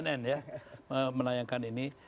cnn ya menayangkan ini